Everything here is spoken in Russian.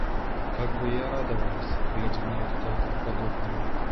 Как бы я радовалась, глядя на эту толпу под окнами!